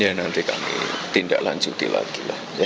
ya nanti kami tindak lanjuti lagi lah